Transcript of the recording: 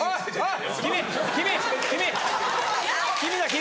君！